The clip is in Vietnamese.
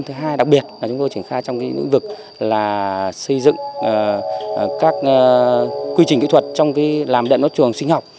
thứ hai đặc biệt là chúng tôi triển khai trong cái nữ vực là xây dựng các quy trình kỹ thuật trong cái làm đận môi trường sinh học